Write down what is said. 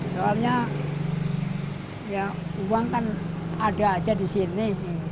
soalnya ya uang kan ada aja di sini